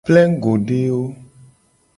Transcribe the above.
Plengugodewo.